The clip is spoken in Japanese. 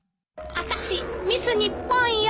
あたしミス日本よ。